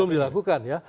belum dilakukan ya